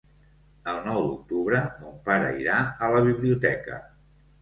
El nou d'octubre mon pare irà a la biblioteca.